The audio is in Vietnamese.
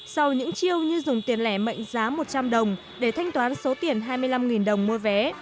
sau những chiêu như dùng tiền lẻ mệnh giá một trăm linh đồng để thanh toán số tiền hai mươi năm đồng mua vé